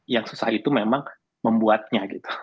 yang susah itu memang membuatnya gitu